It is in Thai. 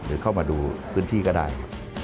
หรือเข้ามาดูพื้นที่ก็ได้ครับ